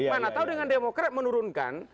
mana tahu dengan demokrat menurunkan